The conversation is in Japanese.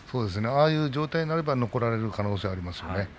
ああいう状態になれば残られる可能性がありますね。